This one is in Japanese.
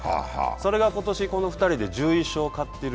それが今年、この２人で１１勝、勝ってる。